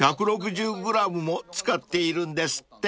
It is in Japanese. ［１６０ｇも使っているんですって］